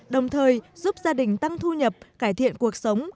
đồng thời giúp gia đình tăng thu nhập cải thiện cuộc sống